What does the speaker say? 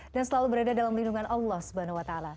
dan selalu berada dalam lindungan allah swt